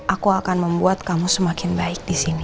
aku akan membuat kamu semakin baik di sini